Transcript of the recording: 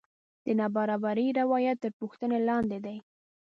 د نابرابرۍ روایت تر پوښتنې لاندې دی.